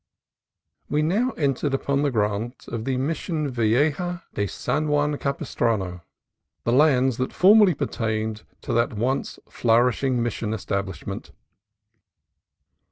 We now entered upon the grant of the Mision Vieja de San Juan Capistrano, the lands that formerly pertained to that once flourishing Mission establishment.